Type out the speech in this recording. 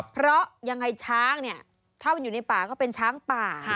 เพราะยังไงช้างเนี่ยถ้ามันอยู่ในป่าก็เป็นช้างป่า